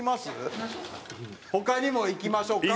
他にもいきましょうか。